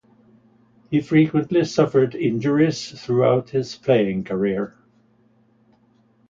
He frequently suffered injuries throughout his playing career.